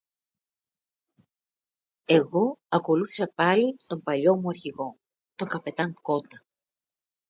«Εγώ ακολούθησα πάλι τον παλιό μου αρχηγό, τον καπετάν-Κώττα